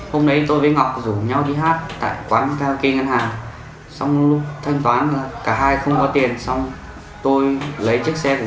hôm đấy tôi với ngọc rủ nhau đi hát tại quán kake ngân hàng xong lúc thanh toán cả hai không có tiền xong tôi lấy chiếc xe của